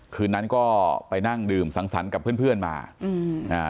คืนนั้นก็ไปนั่งดื่มสังสรรค์กับเพื่อนเพื่อนมาอืมอ่า